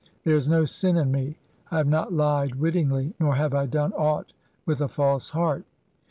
There is no sin in me, I have not lied "wittingly, nor have I done aught with a false heart.